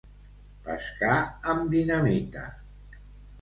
Pescar amb dinamita.